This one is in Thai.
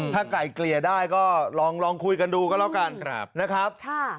ถ้าไก่เกลี่ยได้ก็ลองคุยกันดูก็แล้วกันนะครับ